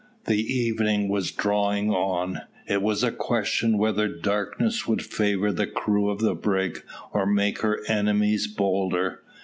The evening was drawing on. It was a question whether darkness would favour the crew of the brig, or make her enemies bolder.